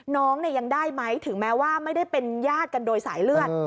น้องเนี่ยยังได้ไหมถึงแม้ว่าไม่ได้เป็นญาติกันโดยสายเลือด